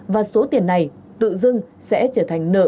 và số tiền này tự dưng sẽ trở thành nợ